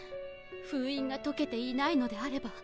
ふういんがとけていないのであれば。